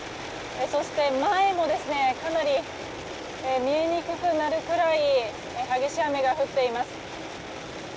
そして、前もかなり見えにくくなるくらい激しい雨が降っています。